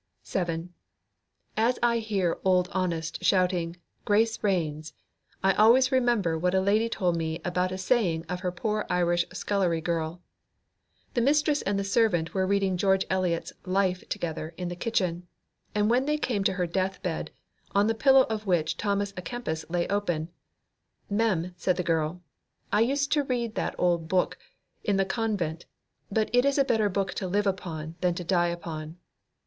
7. As I hear Old Honest shouting "Grace reigns!" I always remember what a lady told me about a saying of her poor Irish scullery girl. The mistress and the servant were reading George Eliot's Life together in the kitchen, and when they came to her deathbed, on the pillow of which Thomas A'Kempis lay open, "Mem," said the girl, "I used to read that old book in the convent; but it is a better book to live upon than to die upon."